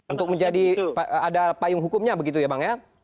untuk menjadi ada payung hukumnya begitu ya bang ya